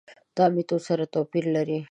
دا میتودونه سره توپیر لري.